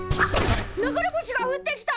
流れ星が降ってきた！